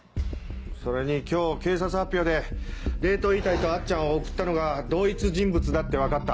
それに今日警察発表で冷凍遺体とあっちゃんを送ったのが同一人物だって分かった。